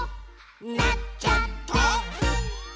「なっちゃった！」